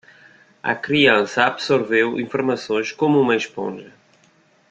A criança absorveu informações como uma esponja.